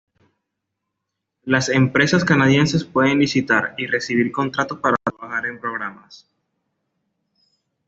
Las empresas canadienses pueden licitar y recibir contratos para trabajar en programas.